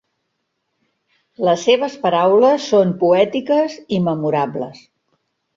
Les seves paraules són poètiques i memorables.